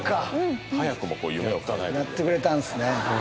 やってくれたんすね。